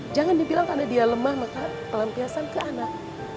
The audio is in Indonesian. jangan dibilang karena dia lemah maka pelampiasan ke anak